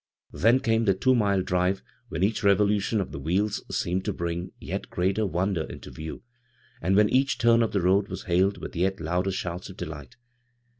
Then came the two mile drive when each revolution of the wheels seemed to bring a »45 b, Google CROSS CURRENTS jret greater wonder into view, and when each turn of the road was bailed with yet louder shouts of delights.